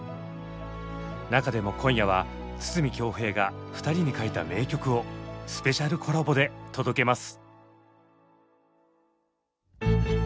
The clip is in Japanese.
中でも今夜は筒美京平が２人に書いた名曲をスペシャルコラボで届けます。